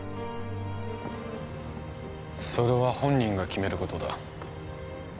それは本人が決めることだ